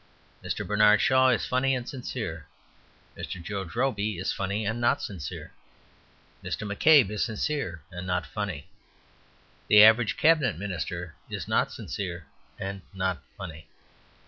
Mr. Bernard Shaw is funny and sincere. Mr. George Robey is funny and not sincere. Mr. McCabe is sincere and not funny. The average Cabinet Minister is not sincere and not funny.